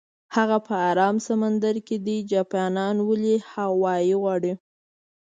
هغه په ارام سمندر کې ده، جاپانیان ولې هاوایي غواړي؟